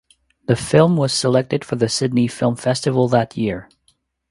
The film was selected for the Sydney Film Festival that year.